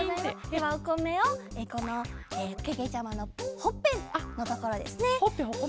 ではおこめをこのけけちゃまのほっぺのところですね。